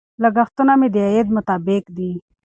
لګښتونه مې د عاید مطابق دي.